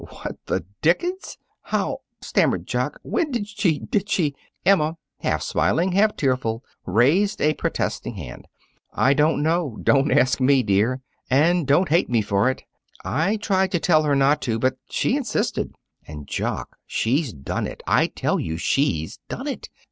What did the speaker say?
"What the dickens! How!" stammered Jock. "When did she did she " Emma, half smiling, half tearful, raised a protesting hand. "I don't know. Don't ask me, dear. And don't hate me for it. I tried to tell her not to, but she insisted. And, Jock, she's done it, I tell you! She's done it!